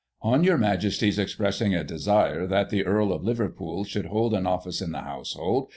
"' On your Majesty's expressing a desire that the Earl of Liverpool should hold an office in the household.